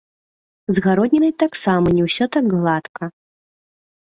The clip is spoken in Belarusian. З гароднінай таксама не ўсё так гладка.